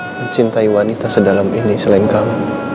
mencintai wanita sedalam ini selain kamu